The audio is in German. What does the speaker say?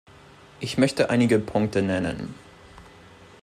Ich möchte einige Punkte nennen.